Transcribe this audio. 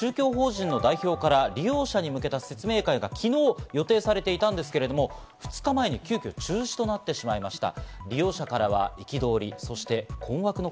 こうした中、宗教法人の代表から、利用者へ向けた説明会が昨日予定されていたんですけど、２日前に急きょ中止になってしまいました。